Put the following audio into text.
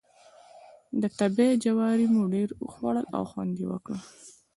د تبۍ جواری مو ډېر وخوړ او خوند یې وکړ.